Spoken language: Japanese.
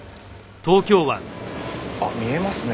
あっ見えますね